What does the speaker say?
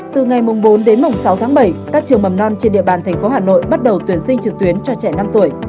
từ ngày bốn đến mùng sáu tháng bảy các trường mầm non trên địa bàn tp hà nội bắt đầu tuyển sinh trực tuyến cho trẻ năm tuổi